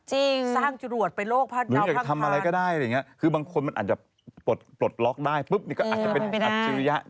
จริงหรืออยากทำอะไรก็ได้อะไรอย่างนี้คือบางคนมันอาจจะปลดล็อคได้ปุ๊บนี่ก็อาจจะเป็นอัตชีวิตยะ